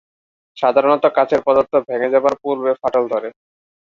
সাধারণতঃ কাচের পদার্থ ভেঙ্গে যাবার পূর্বে ফাটল ধরে।